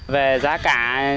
về giá cả